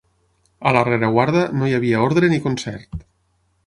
A la rereguarda no hi havia ordre ni concert.